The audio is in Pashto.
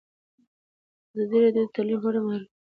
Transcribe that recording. ازادي راډیو د تعلیم په اړه د معارفې پروګرامونه چلولي.